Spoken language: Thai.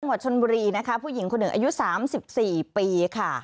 จังหวัดชนบุรีนะคะผู้หญิงคนหนึ่งอายุ๓๔ปีค่ะ